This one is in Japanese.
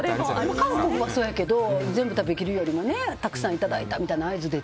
韓国はそうやけど全部食べ切るよりもたくさんいただいたみたいな合図で。